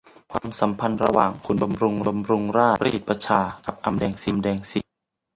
ความสัมพันธ์ระหว่างขุนบำรุงราชรีดประชากับอำแดงสี